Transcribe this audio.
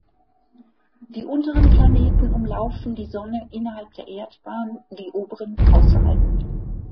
Die unteren Planeten umlaufen die Sonne innerhalb der Erdbahn, die oberen außerhalb.